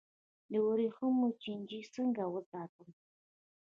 د وریښمو چینجی څنګه وساتم؟